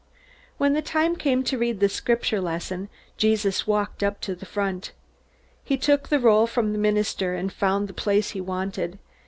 When the time came to read the Scripture lesson, Jesus walked up to the front. He took the roll from the minister, and found the place he wanted.